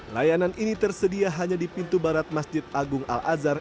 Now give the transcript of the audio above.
layanan ini tersedia hanya di pintu barat masjid agung al azhar